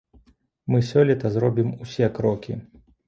Мы сёлета зробім усе крокі.